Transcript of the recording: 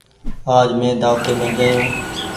آج مين دآوتي مين جآيو۔